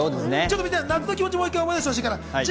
夏の気持ちを思い出してほしいから。